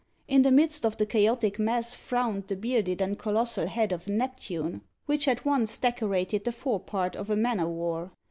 In the midst of the chaotic mass frowned the bearded and colossal head of Neptune, which had once decorated the forepart of a man of war.